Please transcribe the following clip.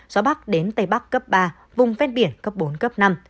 gió bắc đến tây bắc cấp ba vùng ven biển cấp bốn cấp năm